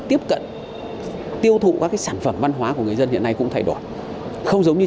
tiếp cận tiêu thụ các sản phẩm văn hóa của người dân hiện nay cũng thay đổi không giống như